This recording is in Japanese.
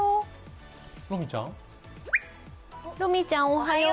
おはよう。